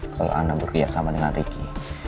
kalau anda bekerja sama dengan ricky